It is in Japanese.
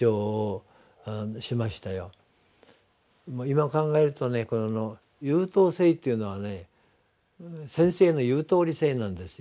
今考えるとね優等生っていうのはね先生の「言うとおり生」なんですよ。